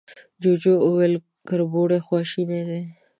جوجو وويل، کربوړی خواشينی دی.